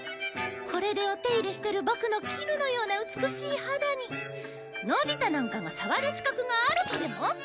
これでお手入れしてるボクの絹のような美しい肌にのび太なんかが触る資格があるとでも？